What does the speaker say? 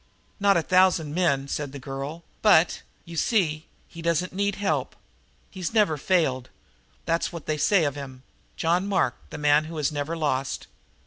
"Not a thousand men," said the girl, "but, you see, he doesn't need help. He's never failed. That's what they say of him: 'John Mark, the man who has never lost!'"